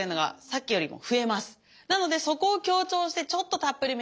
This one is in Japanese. なのでそこを強調してちょっとたっぷりめに歌う。